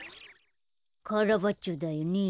カラバッチョだよね。